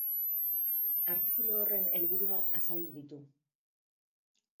Artikulu horren helburuak azaldu ditu.